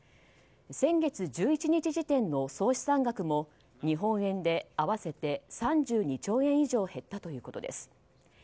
先月１１日時点の総資産額も日本円で合わせて３２兆円以上減ったということです。